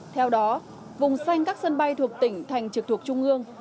theo đó vùng xanh các sân bay thuộc tỉnh thành trực thuộc trung ương